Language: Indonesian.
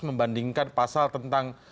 membandingkan pasal tentang